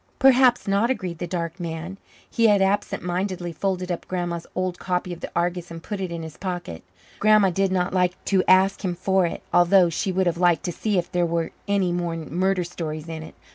"Perhaps not," agreed the dark man. He had absent mindedly folded up Grandma's old copy of the Argus and put it in his pocket. Grandma did not like to ask him for it, although she would have liked to see if there were any more murder stories in it.